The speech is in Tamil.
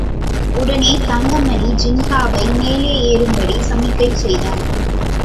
உடனே தங்கமணி ஜின்காவை மேலே ஏறும்படி சமிக்கை செய்தான்.